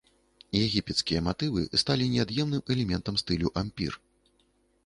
Егіпецкія матывы сталі неад'емным элементам стылю ампір.